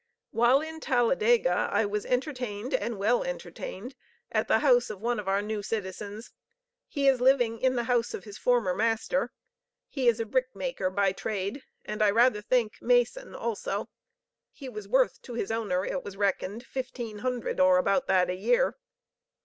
While in Taladega I was entertained and well entertained, at the house of one of our new citizens. He is living in the house of his former master. He is a brick maker by trade, and I rather think mason also. He was worth to his owner, it was reckoned, fifteen hundred or about that a year.